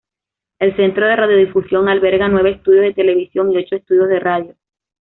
El centro de radiodifusión alberga nueve estudios de televisión y ocho estudios de radio.